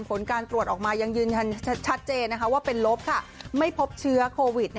ผลการตรวจออกมายังยืนยันชัดเจนว่าเป็นลบไม่พบเชื้อโควิด